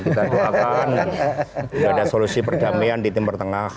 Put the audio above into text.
kita doakan nggak ada solusi perdamaian di timber tengah